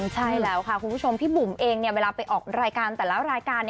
ใช่แล้วค่ะคุณผู้ชมพี่บุ๋มเองเวลาไปออกรายการแต่ละรายการ